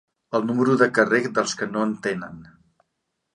El número de carrer dels que no en tenen.